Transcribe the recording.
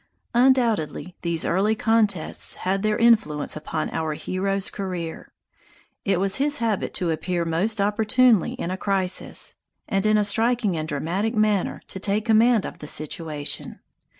Undoubtedly these early contests had their influence upon our hero's career. It was his habit to appear most opportunely in a crisis, and in a striking and dramatic manner to take command of the situation.